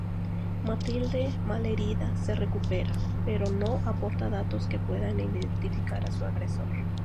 Mathilde, malherida, se recupera, pero no aporta datos que puedan identificar a su agresor.